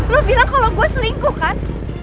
lo bilang kalau gue selingkuh kan